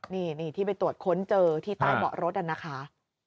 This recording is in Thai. นี่ที่ไปตรวจค้นเจอที่ใต้เบาะรถน่ะนะคะ